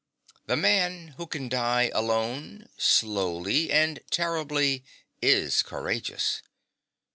The man who can die alone, slowly and terribly, is courageous.